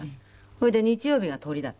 それで日曜日が撮りだったの。